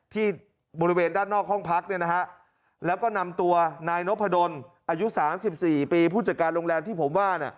ที่บริเวณด้านนอกห้องพักแล้วก็นำตัวนายนพดลอายุ๓๔ปีผู้จัดการโรงแรมที่ผมว่า